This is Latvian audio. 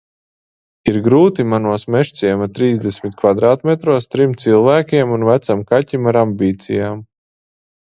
Ir grūti manos Mežciema trīsdesmit kvadrātmetros trim cilvēkiem un vecam kaķim ar ambīcijām.